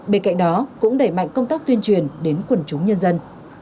bên cạnh đó cũng đẩy mạnh công tác tuyên truyền đến quần chúng nhân dân